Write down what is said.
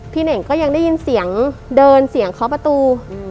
เน่งก็ยังได้ยินเสียงเดินเสียงเคาะประตู